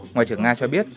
ngoại trưởng nga cho biết